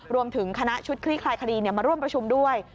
รวมถึงคณะชุดคลี่คลายคดีมาร่วมประชุมด้วย